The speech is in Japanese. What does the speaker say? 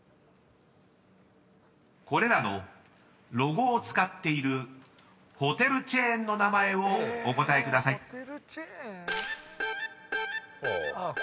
［これらのロゴを使っているホテルチェーンの名前をお答えください］